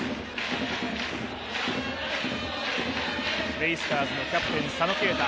ベイスターズのキャプテン佐野恵太。